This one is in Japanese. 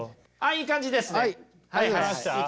いい感じですね！